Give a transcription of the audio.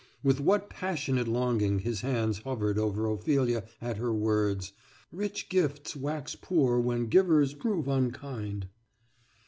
With what passionate longing his hands hovered over Ophelia at her words, "Rich gifts wax poor when givers prove unkind!"